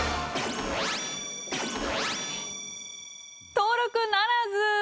登録ならず！